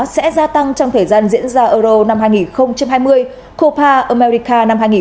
sẽ gia tăng trong thời gian diễn ra euro hai nghìn hai mươi copa america hai nghìn hai mươi một